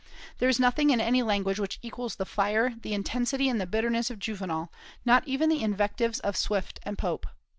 There is nothing in any language which equals the fire, the intensity, and the bitterness of Juvenal, not even the invectives of Swift and Pope.